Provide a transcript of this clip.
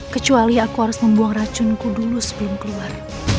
kecuali aku harus membuang racunku dulu sebelum keluar